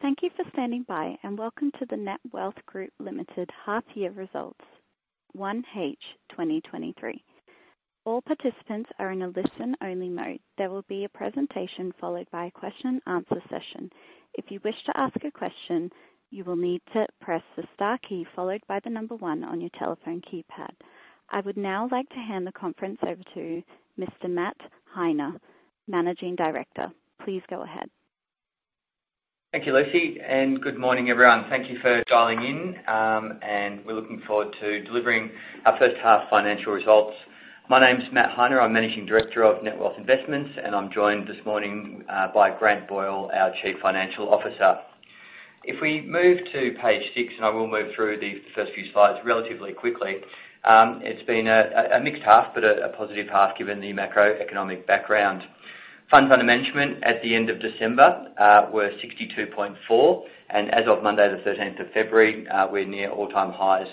Thank you for standing by, and welcome to the Netwealth Group Limited half-year results, 1H 2023. All participants are in a listen-only mode. There will be a presentation followed by a question-and- answer session. If you wish to ask a question, you will need to press the star key followed by the number 1 on your telephone keypad. I would now like to hand the conference over to Mr. Matt Heine, Managing Director. Please go ahead. Thank you, Lucy. Good morning, everyone. Thank you for dialing in. We're looking forward to delivering our first half financial results. My name's Matt Heine, I'm Managing Director of Netwealth Investments Limited, and I'm joined this morning by Grant Boyle, our Chief Financial Officer. If we move to page 6, and I will move through the first few slides relatively quickly, it's been a mixed half but a positive half given the macroeconomic background. Funds Under Management at the end of December were 62.4, and as of Monday the 13th of February, we're near all-time highs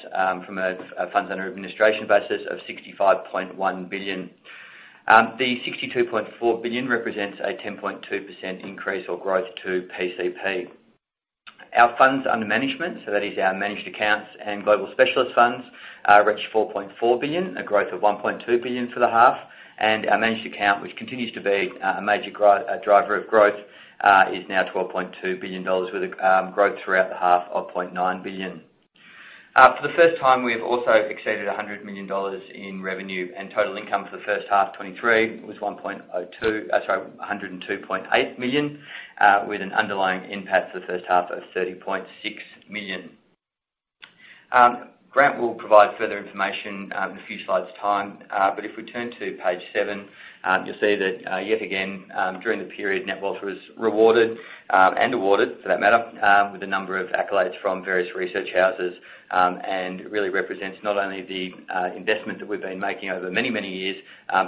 from a Funds Under Administration basis of 65.1 billion. The 62.4 billion represents a 10.2% increase or growth to PCP. Our funds under management, so that is our managed accounts and global specialist funds, reached 4.4 billion, a growth of 1.2 billion for the half. Our managed account, which continues to be a major driver of growth, is now 12.2 billion dollars with a growth throughout the half of 0.9 billion. For the first time, we have also exceeded 100 million dollars in revenue, and total income for the first half of 2023 was sorry, 102.8 million, with an underlying NPAT for the first half of 30.6 million. Grant will provide further information in a few slides time, but if we turn to page 7, you'll see that yet again, during the period, Netwealth Group was rewarded and awarded for that matter, with a number of accolades from various research houses, and really represents not only the investment that we've been making over many, many years,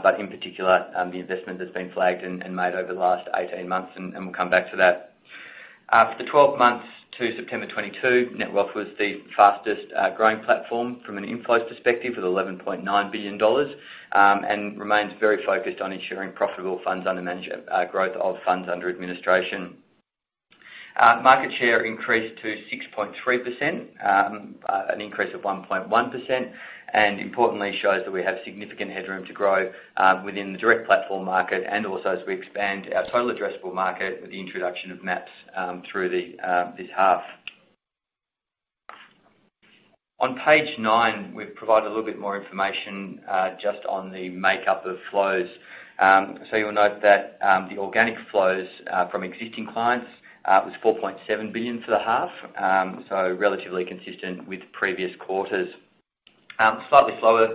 but in particular, the investment that's been flagged and made over the last 18 months. We'll come back to that. After the 12 months to September 2022, Netwealth Group was the fastest growing platform from an inflows perspective with 11.9 billion dollars, remains very focused on ensuring profitable growth of funds under administration. Market share increased to 6.3%, an increase of 1.1%. Importantly shows that we have significant headroom to grow within the direct platform market and also as we expand our total addressable market with the introduction of MAPS in the half. On page 9, we've provided a little bit more information just on the makeup of flows. You'll note that the organic flows from existing clients was 4.7 billion for the half, relatively consistent with previous quarters. Slightly slower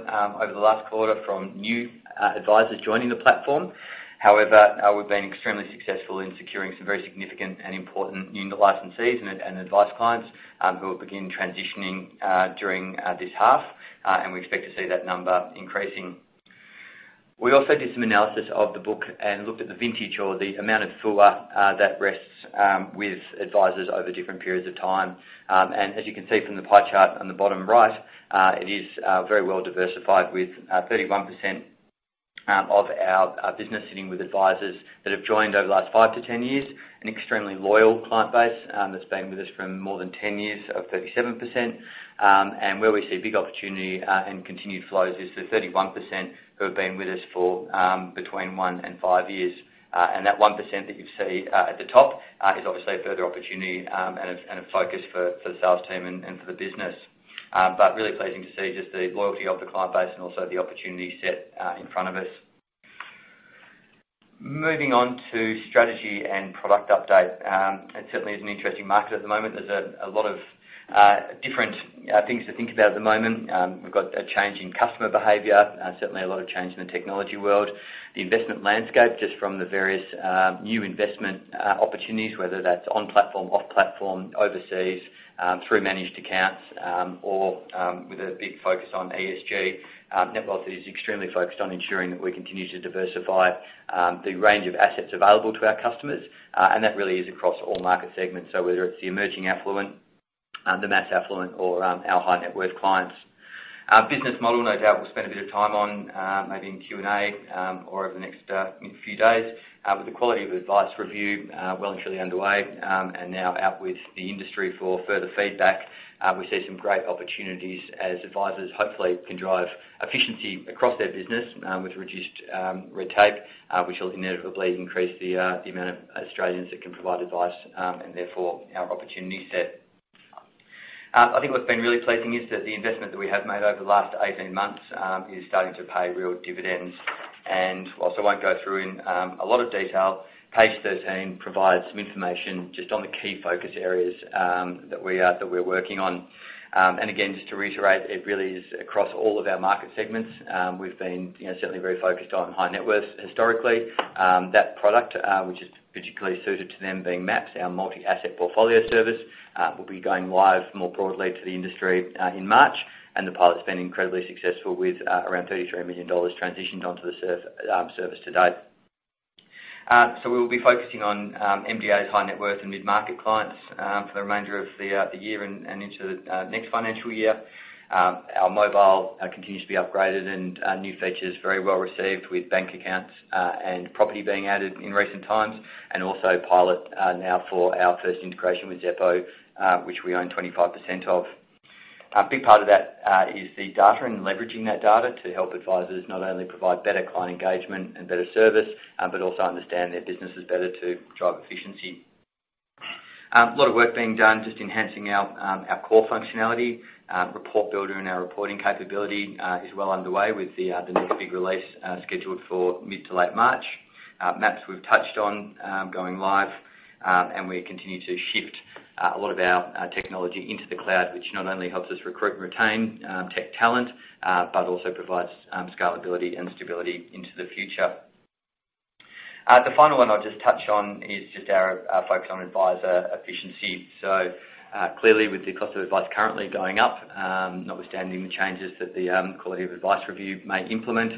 over the last quarter from new advisors joining the platform. However, we've been extremely successful in securing some very significant and important unit licensees and advice clients, who will begin transitioning during this half, and we expect to see that number increasing. We also did some analysis of the book and looked at the vintage or the amount of FUA that rests with advisors over different periods of time. As you can see from the pie chart on the bottom right, it is very well diversified with 31% of our business sitting with advisors that have joined over the last 5-10 years, an extremely loyal client base that's been with us for more than 10 years of 37%. Where we see big opportunity and continued flows is the 31% who have been with us for between one and five years. That 1% that you see at the top is obviously a further opportunity and a focus for the sales team and for the business. Really pleasing to see just the loyalty of the client base and also the opportunity set in front of us. Moving on to strategy and product update. It certainly is an interesting market at the moment. There's a lot of different things to think about at the moment. We've got a change in customer behavior, certainly a lot of change in the technology world. The investment landscape, just from the various new investment opportunities, whether that's on platform, off platform, overseas, through managed accounts, or with a big focus on ESG, Netwealth is extremely focused on ensuring that we continue to diversify the range of assets available to our customers, and that really is across all market segments. Whether it's the emerging affluent, the mass affluent or our high-net-worth clients. Our business model, no doubt we'll spend a bit of time on, maybe in Q&A, or over the next few days, with the Quality of Advice Review, well and truly underway, and now out with the industry for further feedback. We see some great opportunities as advisors, hopefully can drive efficiency across their business, with reduced retake, which will inevitably increase the amount of Australians that can provide advice, and therefore our opportunity set. I think what's been really pleasing is that the investment that we have made over the last 18 months is starting to pay real dividends. Whilst I won't go through in a lot of detail, page 13 provides some information just on the key focus areas that we're working on. Again, just to reiterate, it really is across all of our market segments. We've been, you know, certainly very focused on high-net-worth historically. That product, which is particularly suited to them being MAPS, our Multi Asset Portfolio Service, will be going live more broadly to the industry in March. The pilot's been incredibly successful with around AUD 33 million transitioned onto the service to date. We will be focusing on MDAs, high-net-worth and mid-market clients for the remainder of the year and into the next financial year. Our mobile continues to be upgraded and new features very well received with bank accounts and property being added in recent times. Also pilot now for our first integration with Xeppo, which we own 25% of. A big part of that is the data and leveraging that data to help advisors not only provide better client engagement and better service, but also understand their businesses better to drive efficiency. A lot of work being done, just enhancing our core functionality, report builder and our reporting capability is well underway with the next big release scheduled for mid to late March. MAPS we've touched on, going live, and we continue to shift a lot of our technology into the cloud, which not only helps us recruit and retain tech talent but also provides scalability and stability into the future. The final one I'll just touch on is just our focus on advisor efficiency. Clearly with the cost of advice currently going up, notwithstanding the changes that the Quality of Advice Review may implement,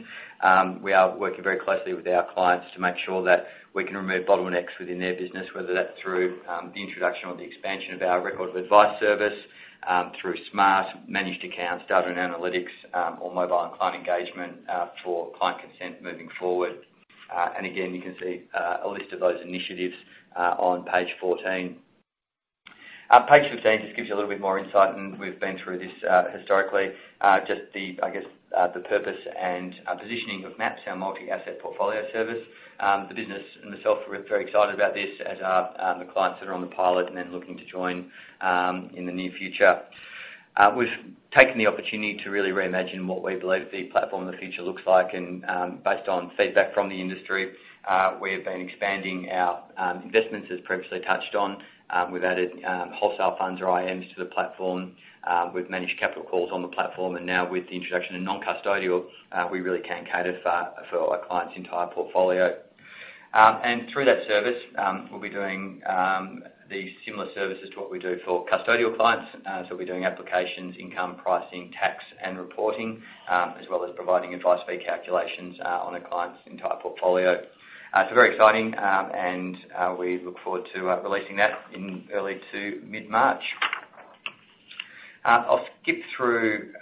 we are working very closely with our clients to make sure that we can remove bottlenecks within their business, whether that's through the introduction or the expansion of our Record of Advice service, through smart managed accounts, data and analytics, or mobile and client engagement, for client consent moving forward. Again, you can see a list of those initiatives on page 14. Page 15 just gives you a little bit more insight, and we've been through this historically. just the, I guess, the purpose and positioning of MAPS, our Multi Asset Portfolio Service. The business and the software, we're very excited about this, as are the clients that are on the pilot and then looking to join in the near future. We've taken the opportunity to really reimagine what we believe the platform of the future looks like and, based on feedback from the industry, we have been expanding our investments, as previously touched on. We've added wholesale funds or IMs to the platform. We've managed capital calls on the platform, and now with the introduction of non-custodial, we really can cater for a client's entire portfolio. Through that service, we'll be doing similar services to what we do for custodial clients. We're doing applications, income, pricing, tax, and reporting, as well as providing advice fee calculations on a client's entire portfolio. It's very exciting. We look forward to releasing that in early to mid-March. I'll skip through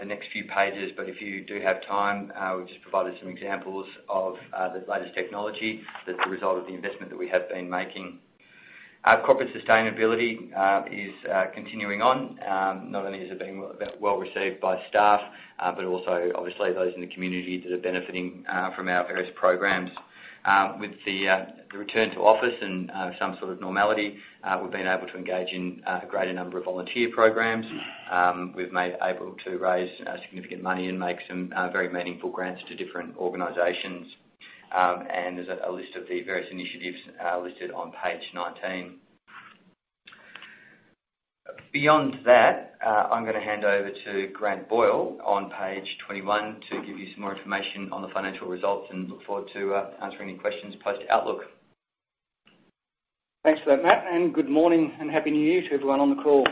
the next few pages, but if you do have time, we've just provided some examples of the latest technology that's the result of the investment that we have been making. Our corporate sustainability is continuing on. Not only is it being well received by staff, but also obviously those in the community that are benefiting from our various programs. With the return to office and some sort of normality, we've been able to engage in a greater number of volunteer programs. We've able to raise significant money and make some very meaningful grants to different organizations. There's a list of the various initiatives, listed on page 19. Beyond that, I'm gonna hand over to Grant Boyle on page 21 to give you some more information on the financial results, and look forward to, answering any questions post-outlook. Thanks for that, Matt. Good morning and Happy New Year to everyone on the call.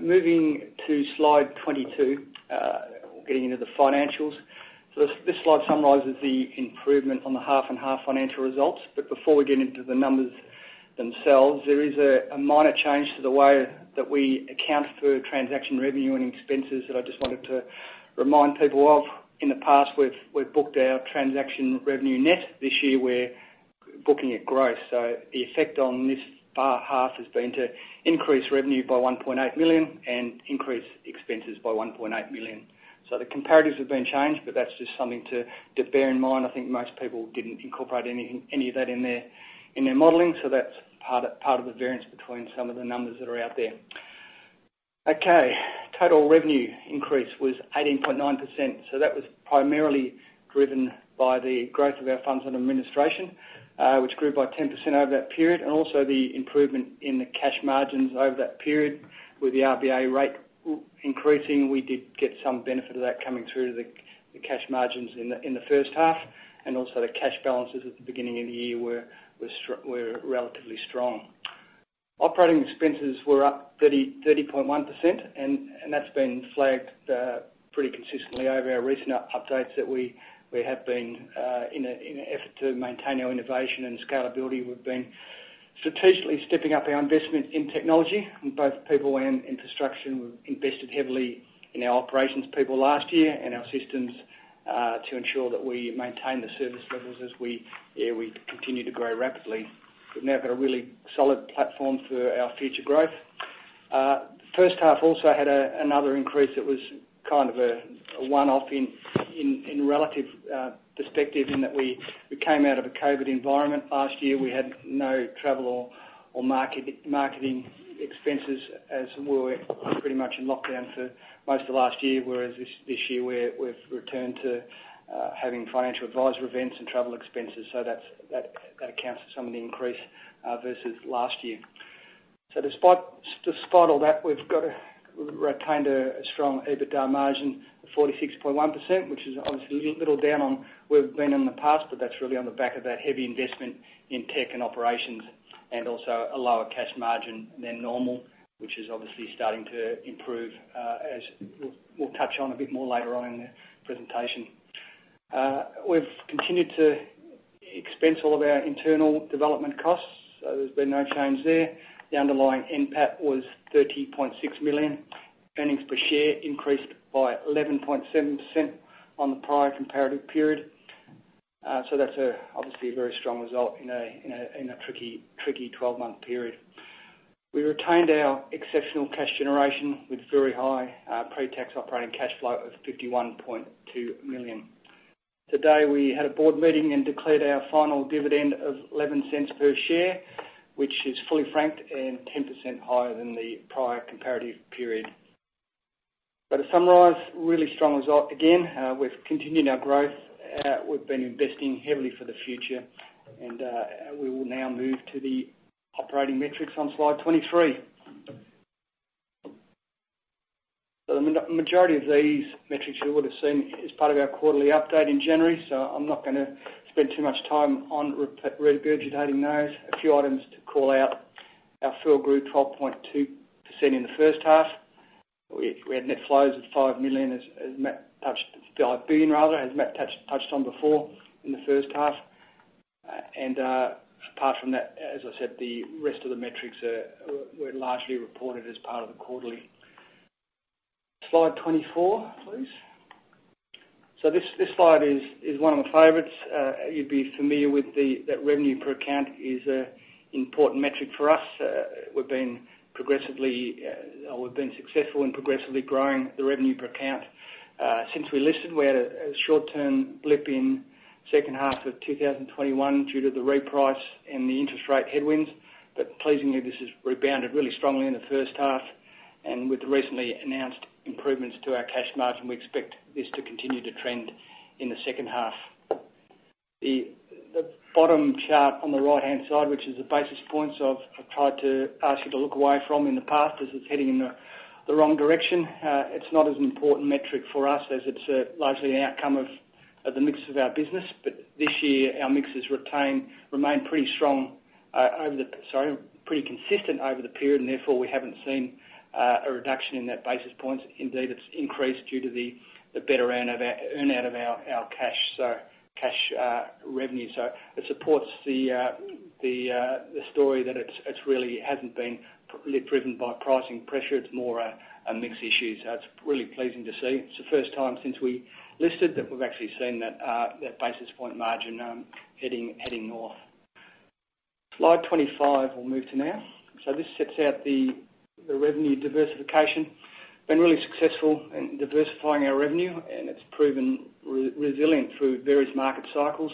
Moving to slide 22, getting into the financials. This slide summarizes the improvement on the half-and-half financial results, but before we get into the numbers themselves, there is a minor change to the way that we account for transaction revenue and expenses that I just wanted to remind people of. In the past, we've booked our transaction revenue net. This year, we're booking it gross. The effect on this far half has been to increase revenue by 1.8 million and increase expenses by 1.8 million. The comparatives have been changed, but that's just something to bear in mind. I think most people didn't incorporate any of that in their modeling. That's part of the variance between some of the numbers that are out there. Total revenue increase was 18.9%. That was primarily driven by the growth of our funds and administration, which grew by 10% over that period. Also the improvement in the cash margins over that period. With the RBA rate increasing, we did get some benefit of that coming through to the cash margins in the first half. Also the cash balances at the beginning of the year were relatively strong. Operating expenses were up 30.1% and that's been flagged pretty consistently over our recent updates that we have been in an effort to maintain our innovation and scalability. We've been strategically stepping up our investment in technology, in both people and infrastructure. We've invested heavily in our operations people last year and our systems to ensure that we maintain the service levels as we continue to grow rapidly. We've now got a really solid platform for our future growth. First half also had another increase that was kind of a one-off in relative perspective in that we came out of a COVID environment last year. We had no travel or marketing expenses as we were pretty much in lockdown for most of last year. This year we're, we've returned to having financial advisor events and travel expenses, which accounts for some of the increase versus last year. Despite all that, we've retained a strong EBITDA margin of 46.1%, which is obviously a little down on where we've been in the past, but that's really on the back of that heavy investment in tech and operations and also a lower cash margin than normal, which is obviously starting to improve as we'll touch on a bit more later on in the presentation. We've continued to expense all of our internal development costs, so there's been no change there. The underlying NPAT was 30.6 million. Earnings per share increased by 11.7% on the prior comparative period. That's obviously a very strong result in a tricky 12-month period. We retained our exceptional cash generation with very high pretax operating cash flow of 51.2 million. Today, we had a board meeting and declared our final dividend of 0.11 per share, which is fully franked and 10% higher than the prior comparative period. To summarize, really strong result again. We've continued our growth. We've been investing heavily for the future, we will now move to the operating metrics on slide 23. The majority of these metrics you would have seen as part of our quarterly update in January, I'm not gonna spend too much time on regurgitating those. A few items to call out. Our FUM grew 12.2% in the first half. We had net flows of 5 million as Matt touched. 5 billion rather, as Matt touched on before in the first half. Apart from that, as I said, the rest of the metrics were largely reported as part of the quarterly. Slide 24, please. This slide is one of my favorites. You'd be familiar with that revenue per account is a important metric for us. We've been progressively or we've been successful in progressively growing the revenue per account. Since we listed, we had a short-term blip in second half of 2021 due to the reprice and the interest rate headwinds. Pleasingly, this has rebounded really strongly in the first half, and with the recently announced improvements to our cash margin, we expect this to continue to trend in the second half. The bottom chart on the right-hand side, which is the basis points I've tried to ask you to look away from in the past, as it's heading in the wrong direction. It's not as an important metric for us as it's largely an outcome of the mix of our business. This year, our mix has remained pretty strong over the... Sorry, pretty consistent over the period, and therefore, we haven't seen a reduction in those basis points. Indeed, it's increased due to the better earn out of our cash, so cash revenue. It supports the story that it's really hasn't been really driven by pricing pressure. It's more a mix issue. It's really pleasing to see. It's the first time since we listed that we've actually seen that basis point margin heading north. Slide 25 we'll move to now. This sets out the revenue diversification. Been really successful in diversifying our revenue, and it's proven resilient through various market cycles.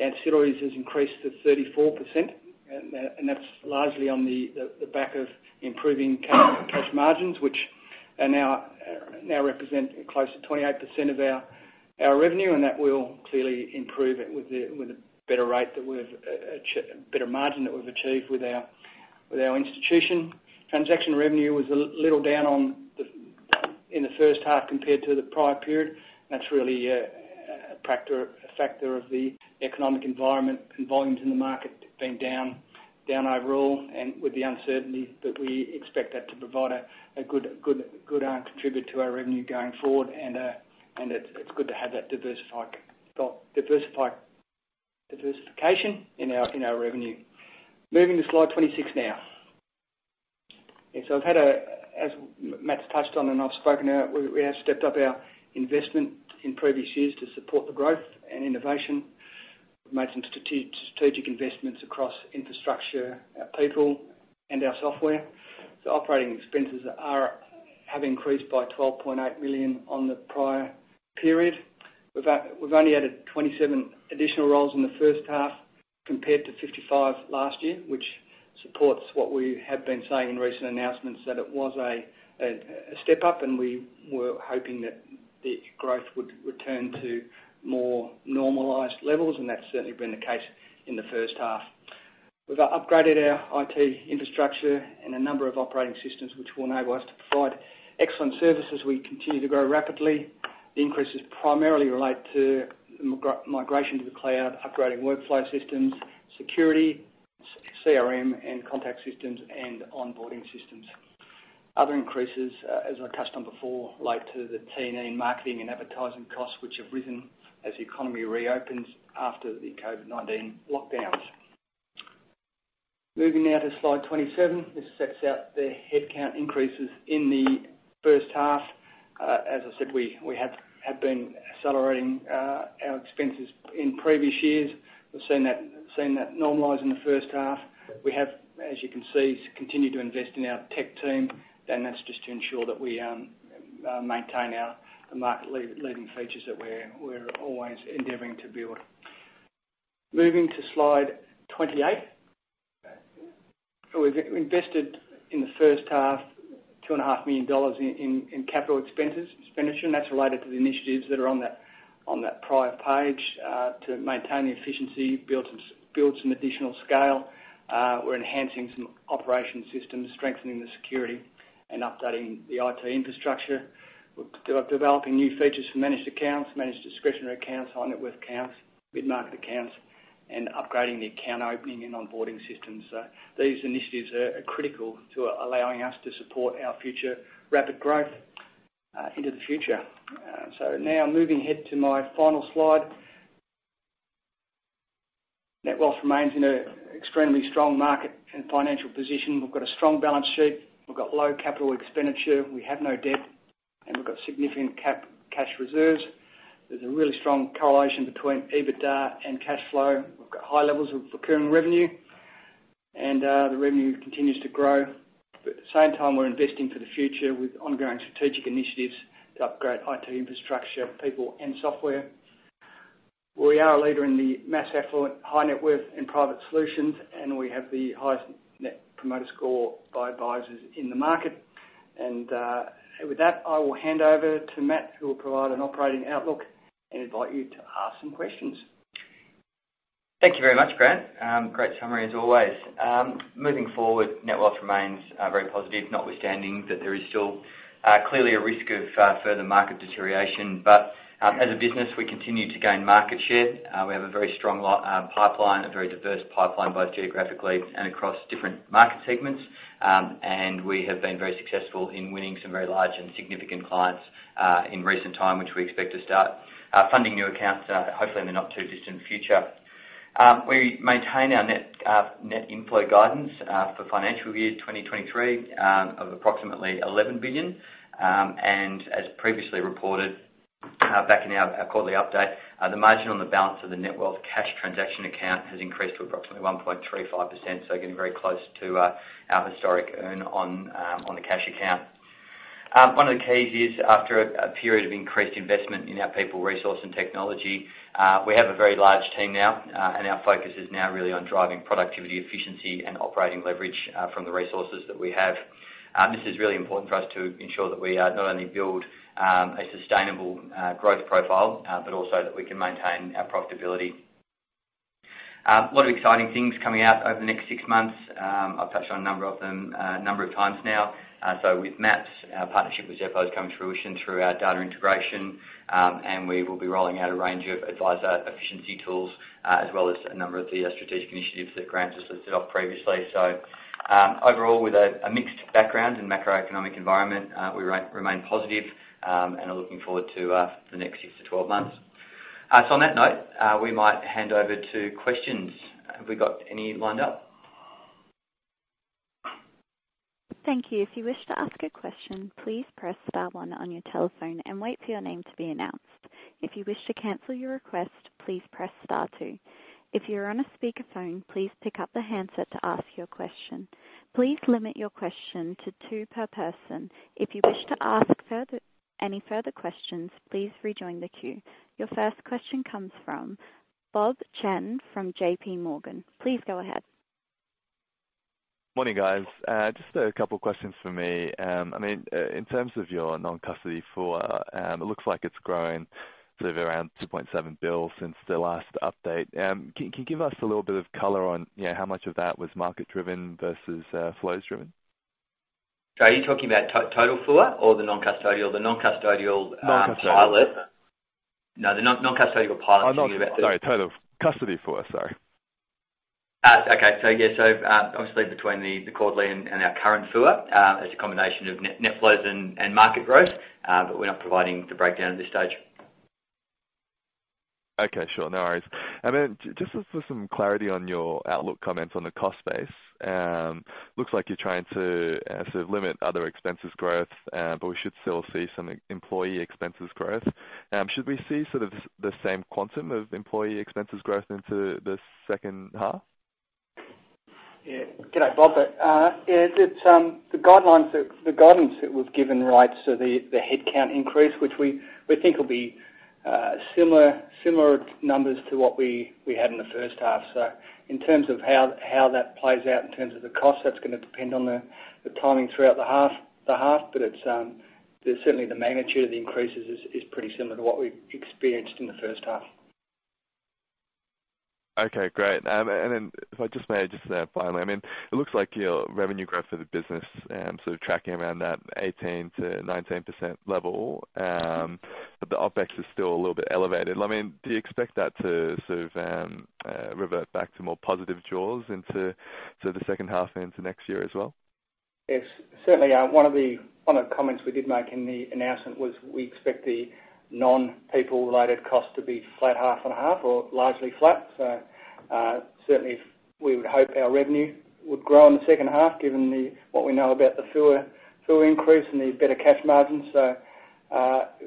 Ancillaries has increased to 34% and that's largely on the back of improving cash margins, which now represent close to 28% of our revenue, and that will clearly improve it with the better margin that we've achieved with our institution. Transaction revenue was a little down on the, in the first half compared to the prior period. That's really a factor of the economic environment and volumes in the market being down overall. With the uncertainty that we expect that to provide a good contribution to our revenue going forward and it's good to have that diversification in our, in our revenue. Moving to slide 26 now. I've had a... As Matt's touched on and I've spoken about, we have stepped up our investment in previous years to support the growth and innovation. We've made some strategic investments across infrastructure, our people, and our software. Operating expenses are, have increased by 12.8 million on the prior period. We've only added 27 additional roles in the first half compared to 55 last year, which supports what we have been saying in recent announcements, that it was a step up, and we were hoping that the growth would return to more normalized levels, and that's certainly been the case in the first half. We've upgraded our IT infrastructure and a number of operating systems, which will enable us to provide excellent service as we continue to grow rapidly. The increases primarily relate to migration to the cloud, upgrading workflow systems, security, CRM and contact systems, and onboarding systems. Other increases, as I touched on before, relate to the T&E and marketing and advertising costs, which have risen as the economy reopens after the COVID-19 lockdowns. Moving now to slide 27. This sets out the headcount increases in the first half. As I said, we have been accelerating our expenses in previous years. We've seen that normalize in the first half. We have, as you can see, continued to invest in our tech team. That's just to ensure that we maintain our, the market-leading features that we're always endeavoring to build. Moving to slide 28. We've invested, in the first half, 2.5 million dollars in capital expenses, expenditure. That's related to the initiatives that are on that prior page, to maintain the efficiency, build some additional scale. We're enhancing some operation systems, strengthening the security, and updating the IT infrastructure. We're developing new features for managed accounts, managed discretionary accounts, high-net-worth accounts, and mid-market accounts. Upgrading the account opening and onboarding systems. These initiatives are critical to allowing us to support our future rapid growth into the future. Now moving ahead to my final slide. Netwealth remains in a extremely strong market and financial position. We've got a strong balance sheet. We've got low capital expenditure. We have no debt, and we've got significant cash reserves. There's a really strong correlation between EBITDA and cash flow. We've got high levels of recurring revenue, and the revenue continues to grow. At the same time, we're investing for the future with ongoing strategic initiatives to upgrade IT infrastructure, people and software. We are a leader in the mass affluent, high-net-worth and private solutions, and we have the highest Net Promoter Score by advisors in the market. With that, I will hand over to Matt, who will provide an operating outlook and invite you to ask some questions. Thank you very much, Grant. Great summary as always. Moving forward, Netwealth remains very positive, notwithstanding that there is still clearly a risk of further market deterioration. As a business, we continue to gain market share. We have a very strong pipeline, a very diverse pipeline, both geographically and across different market segments. We have been very successful in winning some very large and significant clients, in recent time, which we expect to start funding new accounts, hopefully in the not-too-distant future. We maintain our net inflow guidance for the financial year 2023 of approximately 11 billion. As previously reported, back in our quarterly update, the margin on the balance of the Netwealth cash transaction account has increased to approximately 1.35%, so getting very close to our historic earnings on the cash account. One of the keys is after a period of increased investment in our people resources and technology, we have a very large team now, and our focus is now really on driving productivity, efficiency and operating leverage from the resources that we have. This is really important for us to ensure that we not only build a sustainable growth profile, but also that we can maintain our profitability. A lot of exciting things coming out over the next six months. I've touched on a number of them, a number of times now. With MAPS, our partnership with Xero is coming to fruition through our data integration. We will be rolling out a range of advisor efficiency tools, as well as a number of the strategic initiatives that Grant just listed off previously. Overall, with a mixed background and macroeconomic environment, we remain positive, and are looking forward to the next six to 12 months. On that note, we might hand over to questions. Have we got any lined up? Thank you. If you wish to ask a question, please press star one on your telephone and wait for your name to be announced. If you wish to cancel your request, please press star two. If you're on a speakerphone, please pick up the handset to ask your question. Please limit your questions to two per person. If you wish to ask any further questions, please rejoin the queue. Your first question comes from Bob Chen from J.P. Morgan. Please go ahead. Morning, guys. Just a couple of questions from me. I mean, in terms of your non-custody FOA, it looks like it's grown sort of around 2.7 billion since the last update. Can you give us a little bit of color on, you know, how much of that was market- driven versus flows-driven? Are you talking about total FOA or the non-custodial? The non-custodial. Non-custodial... pilot? No, the non-noncustodial pilot I'm talking about. Oh, sorry, total custody FOA, sorry. Okay. Yeah, obviously between the quarterly and our current FOA, it's a combination of net-net flows and market growth. We're not providing the breakdown at this stage. Okay, sure. No worries. Just for some clarity on your outlook comments on the cost base. Looks like you're trying to sort of limit other expenses growth, we should still see some employee expenses growth. Should we see sort of the same quantum of employee expenses growth into the second half? Good day, Bob. Yeah, the guidelines that, the guidance that was given, right, the headcount increase, which we think will be similar numbers to what we had in the first half. In terms of how that plays out in terms of the cost, that's gonna depend on the timing throughout the half. It's certainly the magnitude of the increases is pretty similar to what we've experienced in the first half. Okay, great. If I just may just finally, it looks like your revenue growth for the business tracking around that 18%-19% level. The OpEx is still elevated. Do you expect that to revert back to more positive jaws into the second half into next year as well? Yes. Certainly, one of the comments we did make in the announcement was we expect the non-people-related costs to be flat, half on half or largely flat. Certainly we would hope our revenue would grow in the second half given what we know about the FOA increase and the better cash margins.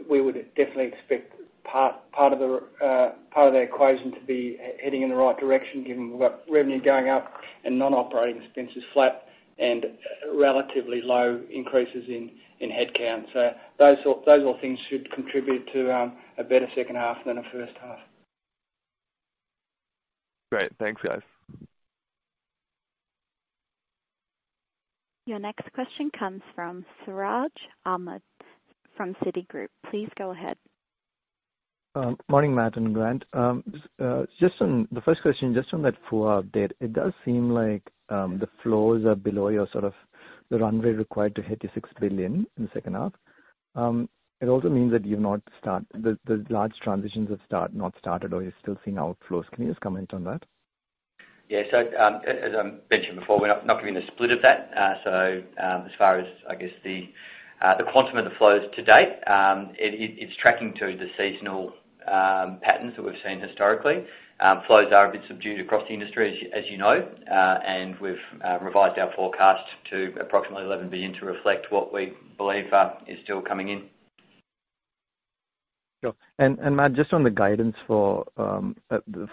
We would definitely expect part of that equation to be heading in the right direction given we've got revenue going up and non-operating expenses flat and relatively low increases in headcount. Those sort of things should contribute to a better second half than the first half. Great. Thanks, guys. Your next question comes from Siraj Ahmed from Citigroup. Please go ahead. Morning, Matt and Grant. Just on the first question, just on that FOA update, it does seem like the flows are below your sort of the runway required to hit the $6 billion in the second half. It also means that you've not started or you're still seeing outflows. Can you just comment on that? Yeah, as I mentioned before, we're not giving the split of that. As far as, I guess, the quantum of the flows to date, it's tracking to the seasonal patterns that we've seen historically. Flows are a bit subdued across the industry, as you know, we've revised our forecast to approximately 11 billion to reflect what we believe is still coming in. Sure. Matt, just on the guidance for the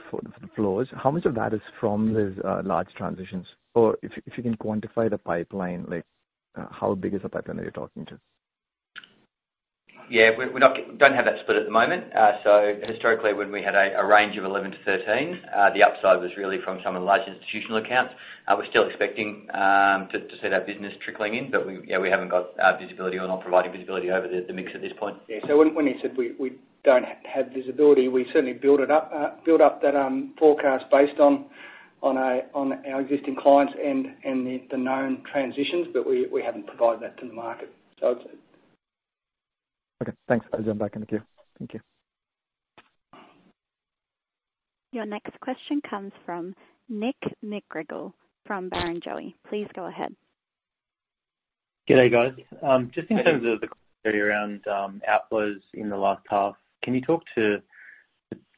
flows, how much of that is from these, large transitions? Or if you can quantify the pipeline, like, how big is the pipeline that you're talking to? Yeah. We're, we're not don't have that split at the moment. Historically, when we had a range of 11-13, the upside was really from some of the large institutional accounts. We're still expecting to see that business trickling in, but we, yeah, we haven't got visibility or not providing visibility over the mix at this point. Yeah. When he said we don't have visibility, we certainly build up that forecast based on our existing clients and the known transitions. We haven't provided that to the market. Okay, thanks. I'll jump back in the queue. Thank you. Your next question comes from Nicholas McGarrigle from Barrenjoey. Please go ahead. G'day, guys. Hey, Nick. -of the query around outflows in the last half, can you talk to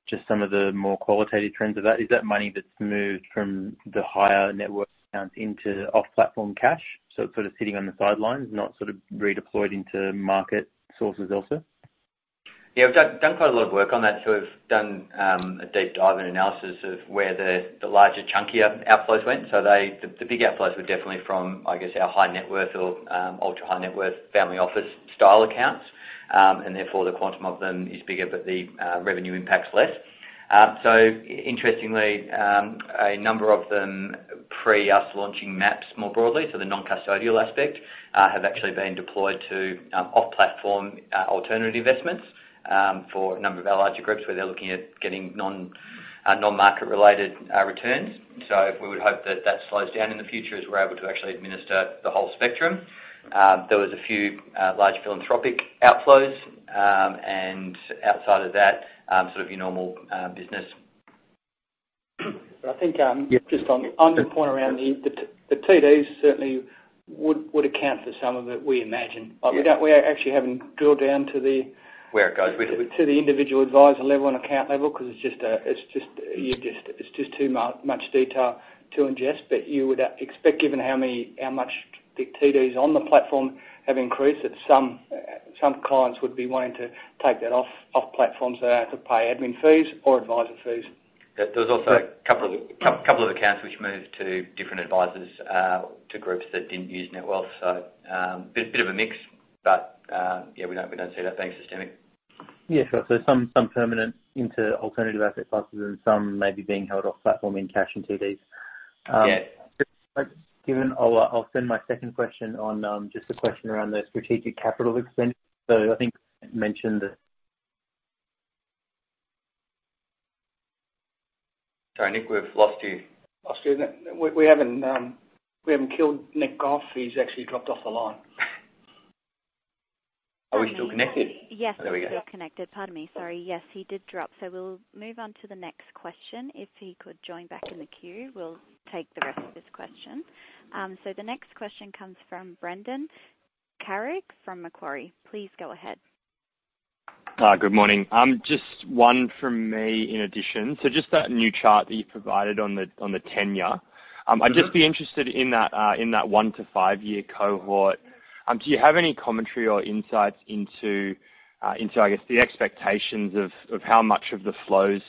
just some of the more qualitative trends of that? Is that money that's moved from the higher net worth accounts into off-platform cash, so it's sort of sitting on the sidelines, not sort of redeployed into market sources also? We've done quite a lot of work on that. We've done a deep dive and analysis of where the larger, chunkier outflows went. The big outflows were definitely from, I guess, our high-net-worth or ultra-high-net-worth family office-style accounts. Therefore, the quantum of them is bigger, but the revenue impact's less. Interestingly, a number of them pre us launching MAPS more broadly, so the non-custodial aspect, have actually been deployed to off-platform alternative investments for a number of our larger groups, where they're looking at getting non-market related returns. We would hope that slows down in the future as we're able to actually administer the whole spectrum. There was a few large philanthropic outflows. Outside of that, sort of your normal, business. I think. Yeah. Just on your point around the TDs certainly would account for some of it, we imagine. Yeah. We actually haven't drilled down. Where it goes. to the individual adviser level and account level because it's just too much detail to ingest. You would expect, given how many, how much the TDs on the platform have increased, that some clients would be wanting to take that off the platform so they don't have to pay admin fees or adviser fees. There was also a couple of accounts which moved to different advisors to groups that didn't use Netwealth. Bit of a mix. Yeah, we don't see that being systemic. Yeah, sure. Some permanent into alternative asset classes and some maybe being held off-platform in cash and TDs. Yeah. Just, like, given. I'll send my second question on, just a question around the strategic capital expend. I think mentioned that. Sorry, Nick, we've lost you. Lost you. We haven't killed Nick off. He's actually dropped off the line. Are we still connected? Nick, are you? There we go. Yes, you're still connected. Pardon me. Sorry. Yes, he did drop. We'll move on to the next question. If he could join back in the queue, we'll take the rest of his question. The next question comes from Brendan Carrig from Macquarie. Please go ahead. Good morning. Just one from me in addition. Just that new chart that you provided on the, on the tenure. Mm-hmm. I'd just be interested in that 1-5 year cohort. Do you have any commentary or insights into, I guess, the expectations of how much of the flows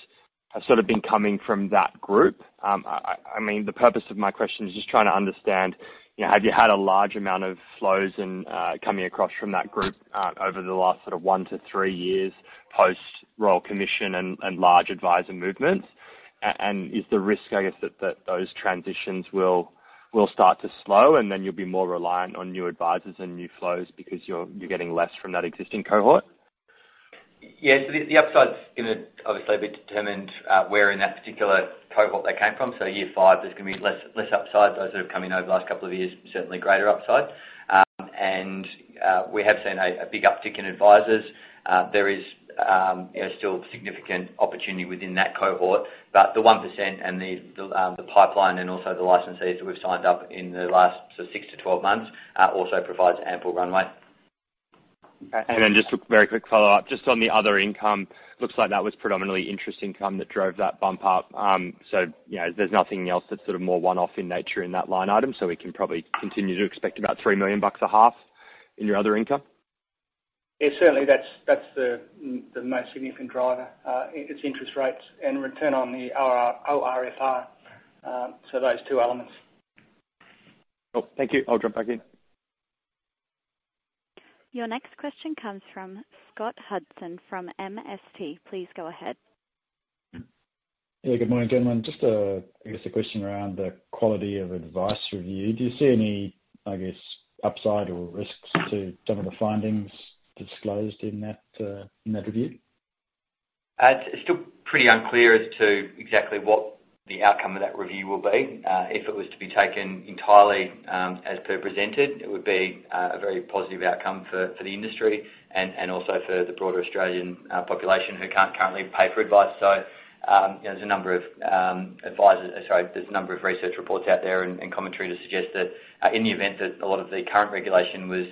have sort of been coming from that group? I mean, the purpose of my question is just trying to understand, you know, have you had a large amount of flows in coming across from that group over the last sort of 1-3 years post Royal Commission and large advisor movements? Is the risk, I guess, that those transitions will start to slow, and then you'll be more reliant on new advisors and new flows because you're getting less from that existing cohort? Yeah. The upside's gonna obviously be determined where in that particular cohort they came from. Year 5, there's gonna be less upside. Those that have come in over the last couple of years, certainly greater upside. We have seen a big uptick in advisors. There is, you know, still significant opportunity within that cohort. The 1% and the pipeline and also the licensees that we've signed up in the last sort of 6 to 12 months also provides ample runway. Just a very quick follow-up. Just on the other income, looks like that was predominantly interest income that drove that bump up. So, you know, there's nothing else that's sort of more one-off in nature in that line item, so we can probably continue to expect about 3 million bucks a half in your other income? Yeah, certainly that's the most significant driver. It's interest rates and return on the ORFR, so those two elements. Cool. Thank you. I'll drop back in. Your next question comes from Scott Hudson from MST. Please go ahead. Yeah, good morning, gentlemen. Just a, I guess, a question around the Quality of Advice Review. Do you see any, I guess, upside or risks to some of the findings disclosed in that in that review? It's still pretty unclear as to exactly what the outcome of that review will be. If it was to be taken entirely, as per presented, it would be a very positive outcome for the industry and also for the broader Australian population who can't currently pay for advice. There's a number of research reports out there and commentary to suggest that in the event that a lot of the current regulation was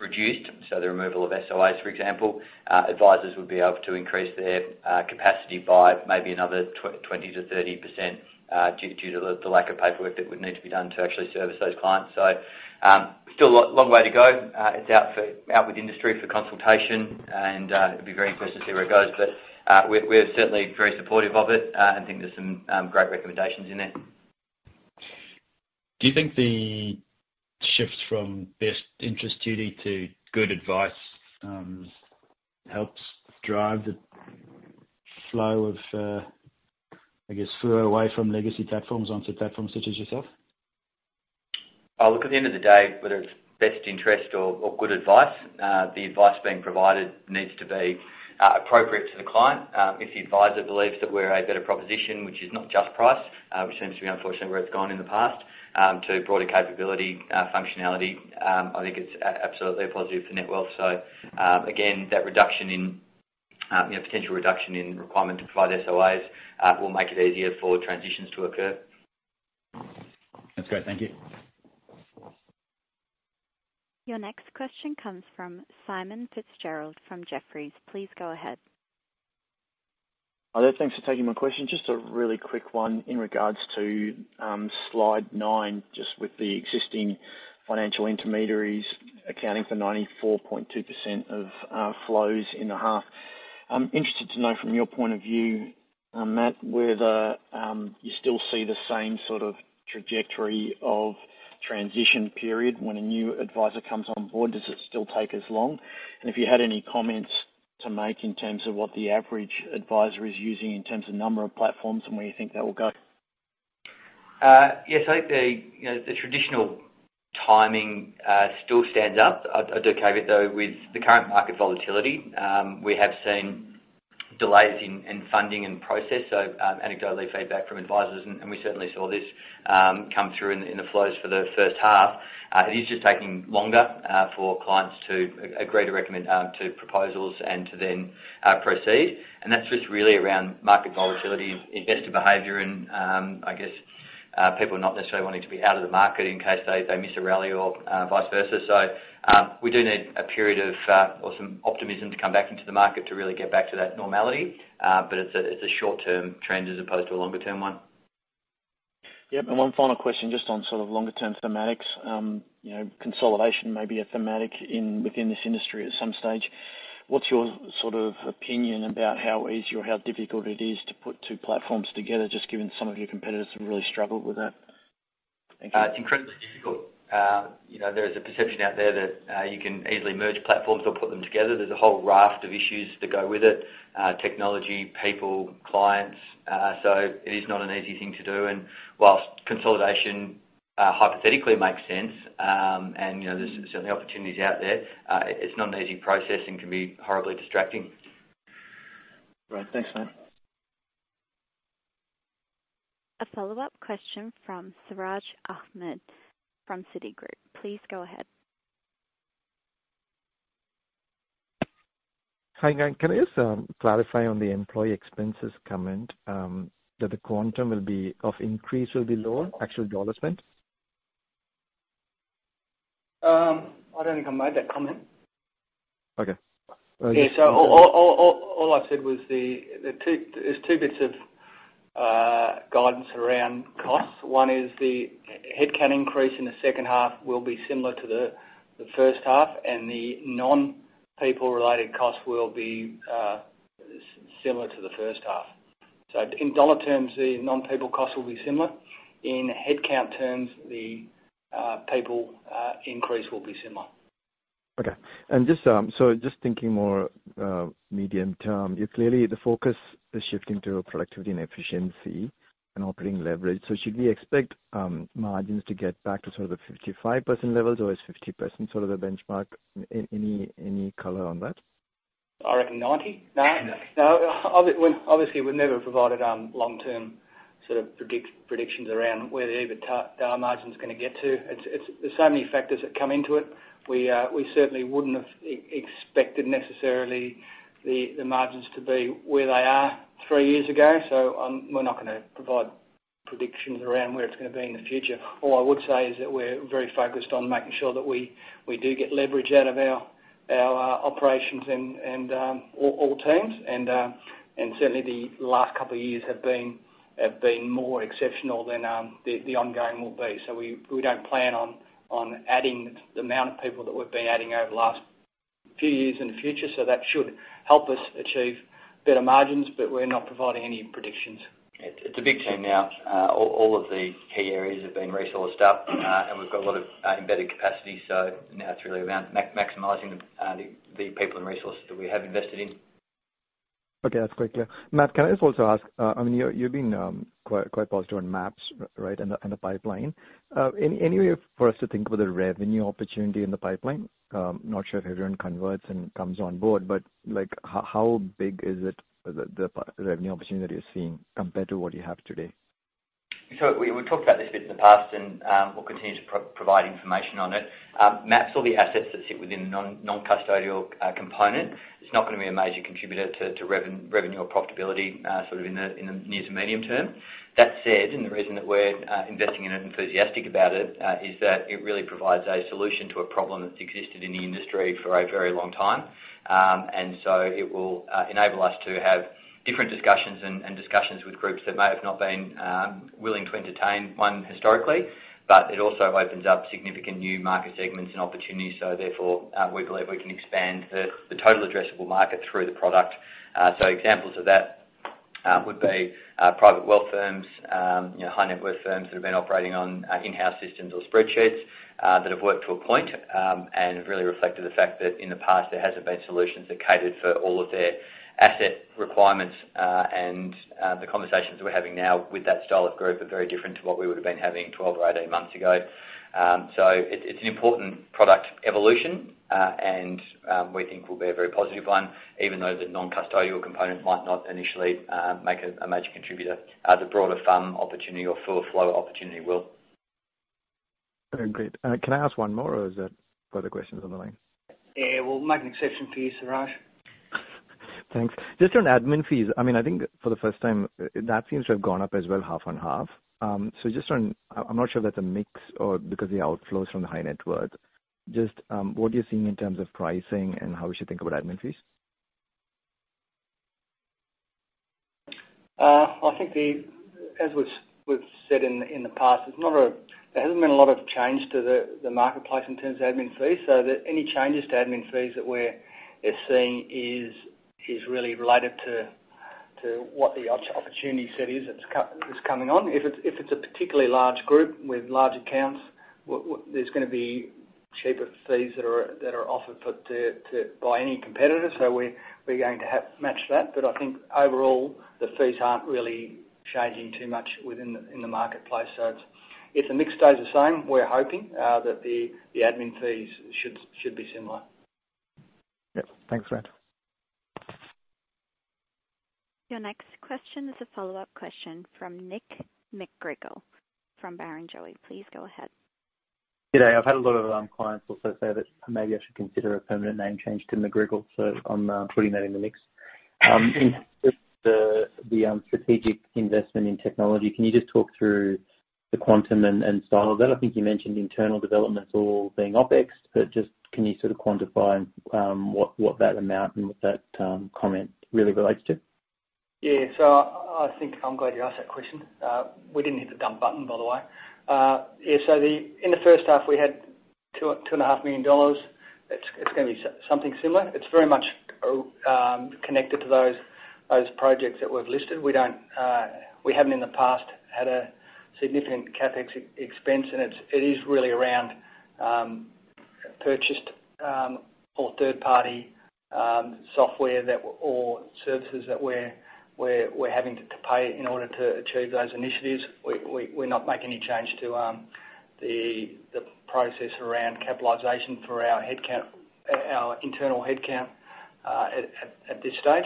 reduced, so the removal of SOAs, for example, advisors would be able to increase their capacity by maybe another 20% to 30%, due to the lack of paperwork that would need to be done to actually service those clients. Still a long way to go. It's out with industry for consultation and it'll be very interested to see where it goes. We're certainly very supportive of it. I think there's some great recommendations in it. Do you think the shift from best interests duty to good advice, helps drive the flow of, I guess, further away from legacy platforms onto platforms such as yourself? Look, at the end of the day, whether it's best interest or good advice, the advice being provided needs to be appropriate to the client. If the advisor believes that we're a better proposition, which is not just price, which seems to be unfortunately where it's gone in the past, to broader capability, functionality, I think it's absolutely a positive for Netwealth. Again, that reduction in, you know, potential reduction in requirement to provide SOAs, will make it easier for transitions to occur. That's great. Thank you. Your next question comes from Simon Fitzgerald from Jefferies. Please go ahead. Hi there. Thanks for taking my question. Just a really quick one in regards to slide nine, just with the existing financial intermediaries accounting for 94.2% of flows in the half. I'm interested to know from your point of view, Matt, whether you still see the same sort of trajectory of transition period when a new adviser comes on board. Does it still take as long? If you had any comments to make in terms of what the average adviser is using in terms of number of platforms and where you think that will go. Yes. I think the, you know, the traditional timing still stands up. I do caveat, though, with the current market volatility, we have seen delays in funding and process, anecdotally, feedback from advisors, and we certainly saw this come through in the flows for the first half. It is just taking longer for clients to agree to recommend to proposals and to then proceed. That's just really around market volatility, investor behavior and, I guess, people not necessarily wanting to be out of the market in case they miss a rally or vice versa. We do need a period of or some optimism to come back into the market to really get back to that normality. It's a, it's a short-term trend as opposed to a longer term one. Yeah. One final question, just on sort of longer-term thematics. You know, consolidation may be a thematic in, within this industry at some stage. What's your sort of opinion about how easy or how difficult it is to put two platforms together, just given some of your competitors have really struggled with that? Thank you. It's incredibly difficult. You know, there is a perception out there that you can easily merge platforms or put them together. There's a whole raft of issues that go with it, technology, people, clients. It is not an easy thing to do. Whilst consolidation, hypothetically makes sense, and, you know, there's certainly opportunities out there, it's not an easy process and can be horribly distracting. Great. Thanks, Matt. A follow-up question from Siraj Ahmed from Citigroup. Please go ahead. Hi, guys. Can I just clarify on the employee expenses comment, that the quantum of increase will be lower, actual dollar spend? I don't think I made that comment. Okay. All good. Yeah. All I said was there's two bits of guidance around costs. One is the headcount increase in the second half will be similar to the first half, and the non-people-related costs will be similar to the first half. In dollar terms, the non-people costs will be similar. In headcount terms, the people increase will be similar. Okay. Just thinking more, medium term, you're clearly the focus is shifting to productivity and efficiency and operating leverage. Should we expect margins to get back to sort of the 55% levels or is 50% sort of the benchmark? Any color on that? I reckon 90. No. No. Obviously, we've never provided long-term sort of predictions around where the EBITDA margin is gonna get to. It's there's so many factors that come into it. We certainly wouldn't have expected necessarily the margins to be where they are three years ago, so we're not gonna provide predictions around where it's gonna be in the future. All I would say is that we're very focused on making sure that we do get leverage out of our operations and all teams. Certainly the last couple of years have been more exceptional than the ongoing will be. We don't plan on adding the amount of people that we've been adding over the last few years in the future. That should help us achieve better margins, but we're not providing any predictions. It's a big team now. All of the key areas have been resourced up, and we've got a lot of embedded capacity. Now it's really around maximizing the people and resources that we have invested in. Okay, that's quite clear. Matt, can I just also ask, I mean, you're being quite positive on MAPS, right, and the pipeline. Any way for us to think about the revenue opportunity in the pipeline? Not sure if everyone converts and comes on board, but, like, how big is it, the revenue opportunity that you're seeing compared to what you have today? We, we've talked about this bit in the past and we'll continue to provide information on it. MAPS all the assets that sit within the non-custodial component. It's not gonna be a major contributor to revenue or profitability sort of in the near to medium term. That said, and the reason that we're investing in it and enthusiastic about it, is that it really provides a solution to a problem that's existed in the industry for a very long time. It will enable us to have different discussions and discussions with groups that may have not been willing to entertain one historically, but it also opens up significant new market segments and opportunities. Therefore, we believe we can expand the total addressable market through the product. Examples of that would be private wealth firms, you know, high-net-worth firms that have been operating on in-house systems or spreadsheets that have worked to a point and have really reflected the fact that in the past there hasn't been solutions that catered for all of their asset requirements. The conversations we're having now with that style of group are very different to what we would've been having 12 or 18 months ago. It's an important product evolution, and we think will be a very positive one, even though the non-custodial component might not initially make a major contributor, as the broader FUM opportunity or full flow opportunity will. Very great. Can I ask one more, or is there other questions on the line? Yeah, we'll make an exception for you, Siraj. Thanks. Just on admin fees, I mean, I think for the first time that seems to have gone up as well, half on half. I'm not sure if that's a mix or because the outflows from the high net worth. Just, what are you seeing in terms of pricing and how we should think about admin fees? I think as we've said in the past, there hasn't been a lot of change to the marketplace in terms of admin fees. Any changes to admin fees that we're seeing is really related to what the opportunity set is that's coming on. If it's a particularly large group with large accounts, there's gonna be cheaper fees that are offered for to by any competitor. We're going to have to match that. I think overall, the fees aren't really changing too much in the marketplace. If the mix stays the same, we're hoping that the admin fees should be similar. Yep. Thanks, Grant. Your next question is a follow-up question from Nick McGarrigle from Barrenjoey. Please go ahead. G'day. I've had a lot of clients also say that maybe I should consider a permanent name change to MacGregor. I'm putting that in the mix. In the strategic investment in technology, can you just talk through the quantum and style of that? I think you mentioned internal developments all being OpEx, just can you sort of quantify what that amount and what that comment really relates to? I think I'm glad you asked that question. We didn't hit the dump button, by the way. In the first half we had 2.5 million dollars. It's gonna be something similar. It's very much connected to those projects that we've listed. We don't, we haven't in the past had a significant CapEx expense. It is really around purchased or third-party software that or services that we're having to pay in order to achieve those initiatives. We're not making any change to the process around capitalization for our headcount, our internal headcount, at this stage.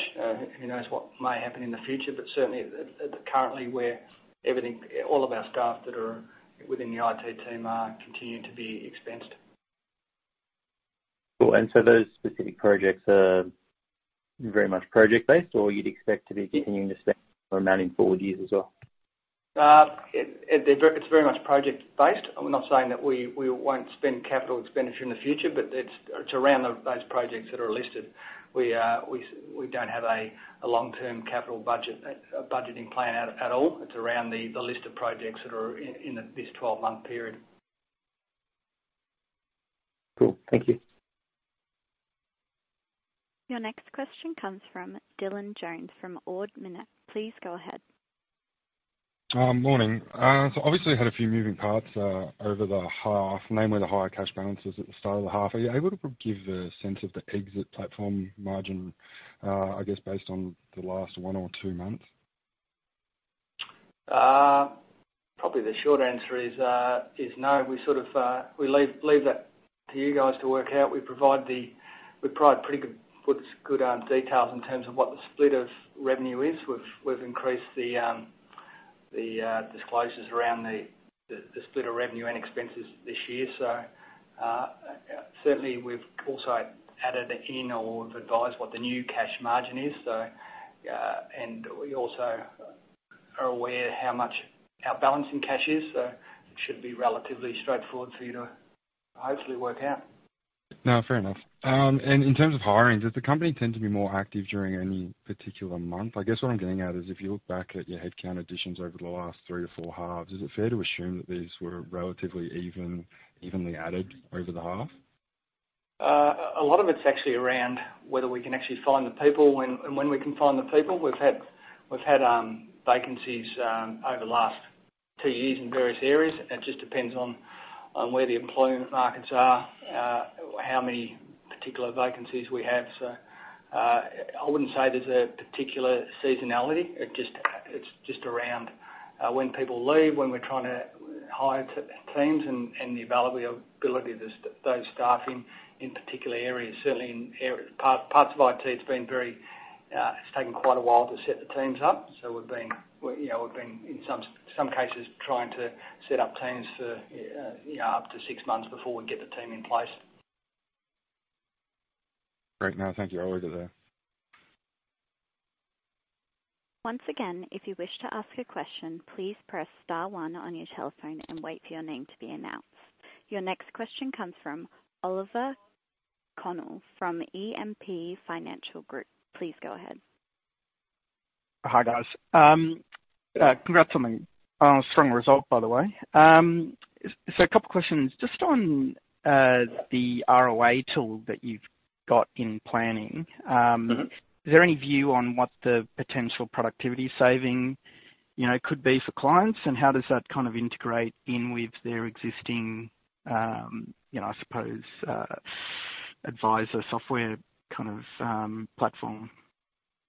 Who knows what may happen in the future, certainly at currently we're. Everything, all of our staff that are within the IT team are continuing to be expensed. Cool. Those specific projects are very much project-based, or you'd expect to be continuing to spend that amount in forward years as well? It's very much project-based. I'm not saying that we won't spend capital expenditure in the future. It's around those projects that are listed. We don't have a long-term capital budget budgeting plan at all. It's around the list of projects that are in this 12-month period. Cool. Thank you. Your next question comes from Dylan Kelly from Ord Minnett. Please go ahead. Morning. Obviously had a few moving parts over the half, namely the higher cash balances at the start of the half. Are you able to give a sense of the exit platform margin, I guess based on the last 1 or 2 months? Probably the short answer is no. We sort of, we leave that to you guys to work out. We provide pretty good details in terms of what the split of revenue is. We've increased the disclosures around the split of revenue and expenses this year. Certainly we've also added in or have advised what the new cash margin is. We also are aware how much our balance in cash is, so it should be relatively straightforward for you to hopefully work out. No, fair enough. In terms of hiring, does the company tend to be more active during any particular month? I guess what I'm getting at is if you look back at your headcount additions over the last three or four halves, is it fair to assume that these were relatively even, evenly added over the half? A lot of it's actually around whether we can actually find the people when and when we can find the people. We've had vacancies over the last two years in various areas. It just depends on where the employment markets are, how many particular vacancies we have. I wouldn't say there's a particular seasonality. It's just around when people leave. Hire teams and the availability of those staffing in particular areas. Certainly in parts of IT, it's been very. It's taken quite a while to set the teams up. We've been, you know, we've been, in some cases, trying to set up teams for, you know, up to six months before we get the team in place. Great. No, thank you. I'll leave it there. Once again, if you wish to ask a question, please press star one on your telephone and wait for your name to be announced. Your next question comes from Oliver Connell from EMP Financial Group. Please go ahead. Hi, guys. Congrats on a strong result, by the way. A couple of questions just on the ROA tool that you've got in planning. Mm-hmm. Is there any view on what the potential productivity saving, you know, could be for clients? How does that kind of integrate in with their existing, you know, I suppose, advisor software kind of, platform?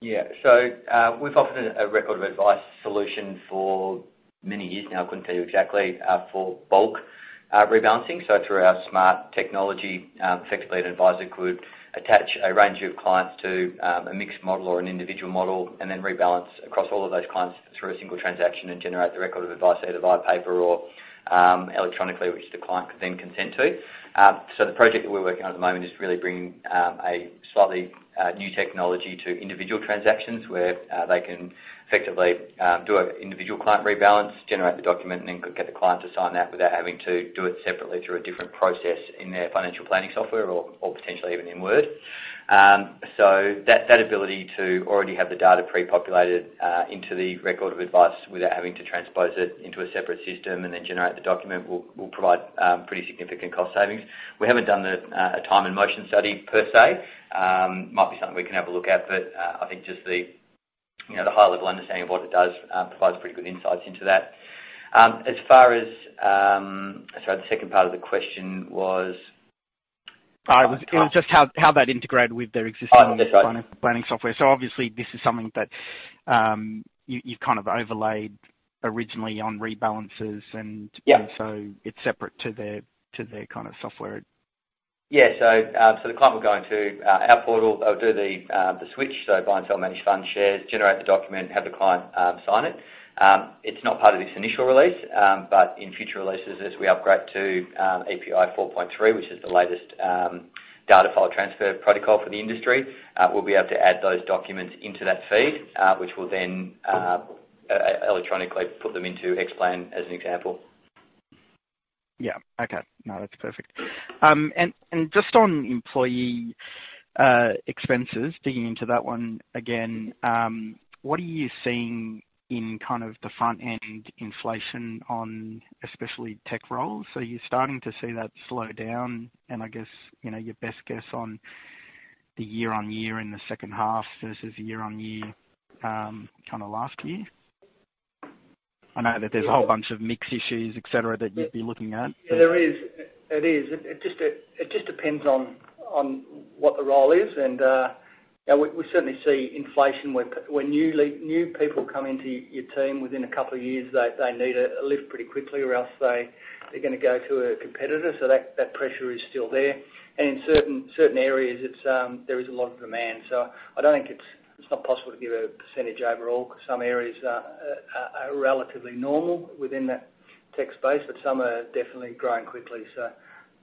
Yeah. We've offered a Record of Advice solution for many years now, I couldn't tell you exactly, for bulk rebalancing. Through our smart technology, effectively an adviser could attach a range of clients to a mixed model or an individual model and then rebalance across all of those clients through a single transaction and generate the Record of Advice either via paper or electronically, which the client could then consent to. The project that we're working on at the moment is really bringing a slightly new technology to individual transactions, where they can effectively do a individual client rebalance, generate the document, and then get the client to sign that without having to do it separately through a different process in their financial planning software or potentially even in Word. That, that ability to already have the data pre-populated into the Record of Advice without having to transpose it into a separate system and then generate the document will provide pretty significant cost savings. We haven't done the a time and motion study per se. Might be something we can have a look at, but I think just the, you know, the high-level understanding of what it does provides pretty good insights into that. As far as... Sorry, the second part of the question was? it was just how that integrated with their existing- Oh, okay. -financial planning software. Obviously this is something that, you kind of overlaid originally on rebalances and... Yeah. It's separate to their kind of software. The client will go into our portal. They'll do the switch, so buy and sell managed fund shares, generate the document, have the client sign it. It's not part of this initial release, but in future releases as we upgrade to API 4.3, which is the latest data file transfer protocol for the industry, we'll be able to add those documents into that feed, which will then electronically put them into Xplan, as an example. Yeah. Okay. No, that's perfect. Just on employee expenses, digging into that one again, what are you seeing in kind of the front-end inflation on especially tech roles? Are you starting to see that slow down? I guess, you know, your best guess on the year-on-year in the second half versus year-on-year kind of last year. I know that there's a whole bunch of mix issues, et cetera, that you'd be looking at. Yeah, there is. It is. It just depends on what the role is. You know, we certainly see inflation when new people come into your team. Within a couple of years they need a lift pretty quickly or else they're gonna go to a competitor. That pressure is still there. In certain areas, it's there is a lot of demand. It's not possible to give a percentage overall because some areas are relatively normal within that tech space, but some are definitely growing quickly.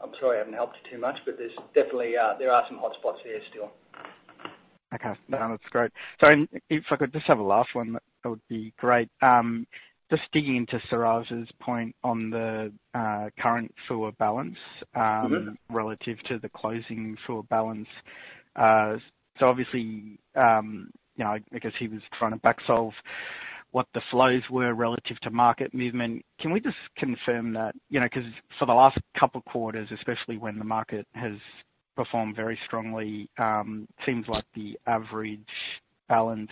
I'm sorry I haven't helped you too much, but there's definitely there are some hotspots there still. Okay. No, that's great. If I could just have a last one, that would be great. just digging into Siraj's point on the current FUA balance. Mm-hmm. relative to the closing FUA balance. Obviously, you know, I guess he was trying to back-solve what the flows were relative to market movement. Can we just confirm that? You know, 'cause for the last couple quarters, especially when the market has performed very strongly, seems like the average balance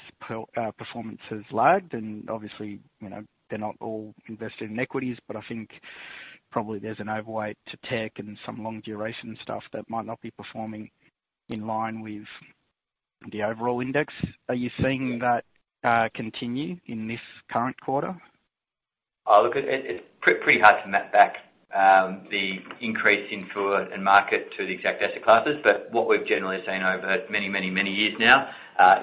performance has lagged and obviously, you know, they're not all invested in equities. I think probably there's an overweight to tech and some long-duration stuff that might not be performing in line with the overall index. Are you seeing that continue in this current quarter? look, it's pretty hard to map back the increase in FUA and market to the exact asset classes. What we've generally seen over many years now,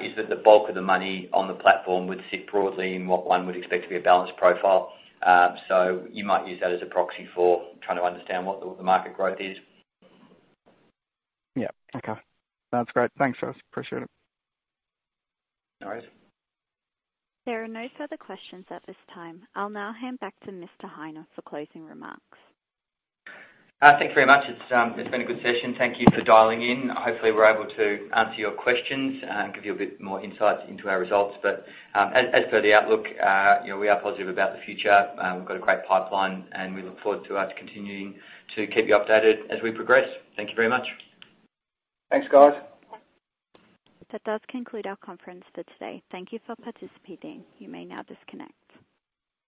is that the bulk of the money on the platform would sit broadly in what one would expect to be a balanced profile. You might use that as a proxy for trying to understand what the market growth is. Yeah. Okay. That's great. Thanks, guys. Appreciate it. No worries. There are no further questions at this time. I'll now hand back to Mr. Heine for closing remarks. Thank you very much. It's, been a good session. Thank you for dialing in. Hopefully we're able to answer your questions and give you a bit more insight into our results. As, as per the outlook, you know, we are positive about the future. We've got a great pipeline, and we look forward to us continuing to keep you updated as we progress. Thank you very much. Thanks, guys. That does conclude our conference for today. Thank you for participating. You may now disconnect.